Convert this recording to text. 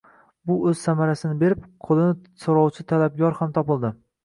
Bu o`z samarasini berib, qo`lini so`rovchi talabgor ham topildi